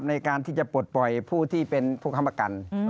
ในการที่จะปลดปล่อยผู้ที่เป็นผู้ค้ำประกัน